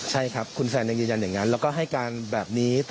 เห็นแบบนี้ค่ะ